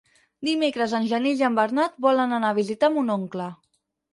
Dimecres en Genís i en Bernat volen anar a visitar mon oncle.